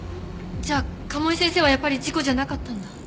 じゃあ賀茂井先生はやっぱり事故じゃなかったんだ。